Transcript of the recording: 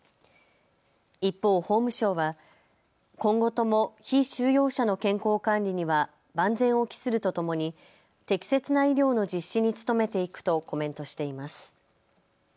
一方、法務省は今後とも被収容者の健康管理には万全を期するとともに適切な医療の実施に努めていくとコメントしています。